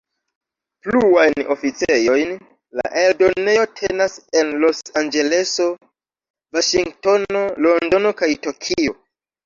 Pluajn oficejojn la eldonejo tenas en Los-Anĝeleso, Vaŝingtono, Londono kaj Tokio.